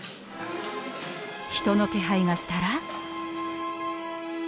人の気配がしたら。